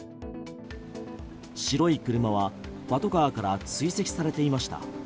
白い車はパトカーから追跡されていました。